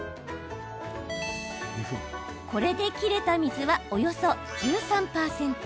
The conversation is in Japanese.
これで切れた水はおよそ１３％。